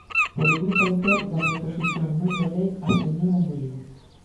Polo grupo autor da proposición non de lei, a señora Muíño.